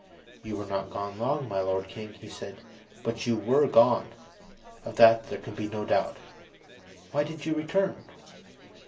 "You were not gone long, my lord king," he said. "But you were gone. Of that there can be no doubt. Why did you return?"